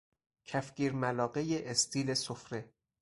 کفگیر ملاقه استیل سفره